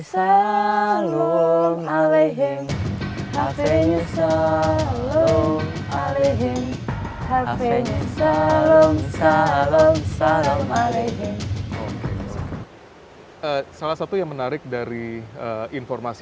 kenapa ini menjadi bagian dalam proses pelajaran mengajaran atau seharian disana